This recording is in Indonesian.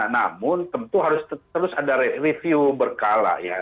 namun tentu harus terus ada review berkala ya